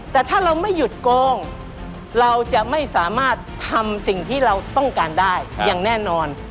แต่ถ้าเราไม่หยุดโกงเราจะไม่สามารถทำสิ่งที่เราต้องการได้อย่างแน่นอน